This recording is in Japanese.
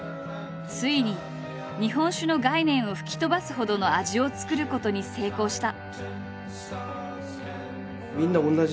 ついに日本酒の概念を吹き飛ばすほどの味を造ることに成功した。